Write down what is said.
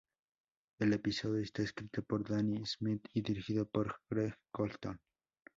El episodio está escrito por Danny Smith y dirigido por Greg Colton.